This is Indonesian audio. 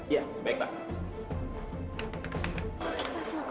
iya baik pak